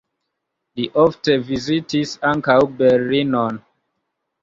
Li ofte vizitis ankaŭ Berlinon.